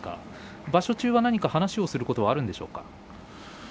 場所中は話をすることはあるんでしょうか？